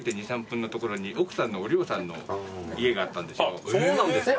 あっそうなんですか？